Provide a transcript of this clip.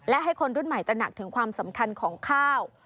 และให้คนรุ่นใหม่ตระหนักถึงความสำคัญของข้าว